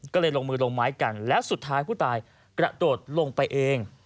ก็เลยลงมือลงไม้กันแล้วสุดท้ายผู้ตายกระโดดลงไปเอง